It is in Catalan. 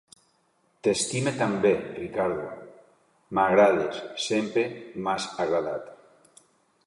T'estime també, Riccardo... m'agrades, sempre m'has agradat...